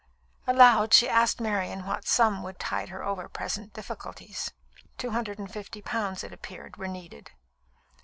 Aloud, she asked Marian what sum would tide her over present difficulties. Two hundred and fifty pounds, it appeared, were needed.